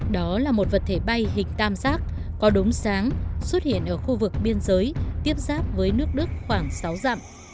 đó là một vật thể bay hình tam giác có đống sáng xuất hiện ở khu vực biên giới tiếp xác với nước đức khoảng sáu dặm